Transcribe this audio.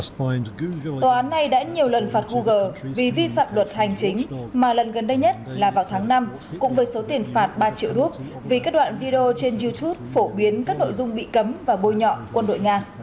tòa án này đã nhiều lần phạt google vì vi phạm luật hành chính mà lần gần đây nhất là vào tháng năm cũng với số tiền phạt ba triệu rút vì các đoạn video trên youtube phổ biến các nội dung bị cấm và bôi nhọ quân đội nga